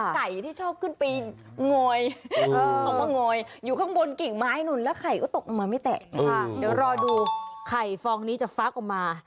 อ่าเดี๋ยวรอดูไข่ฟองนี้จะฟากออกมา